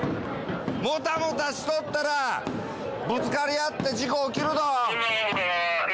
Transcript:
もたもたしとったら、ぶつかり合って事故起きるど！